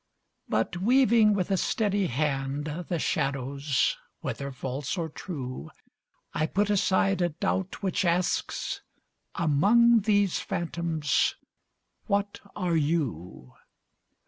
But weaving with a steady hand The shadows, whether false or true, I put aside a doubt which asks "Among these phantoms what are you?"